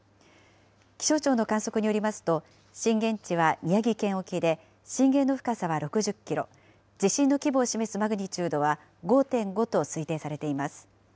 気象庁の観測によりますと、震源地は宮城県沖で、震源の深さは６０キロ、地震の規模を示すマグニチュードは５．５と推定されています。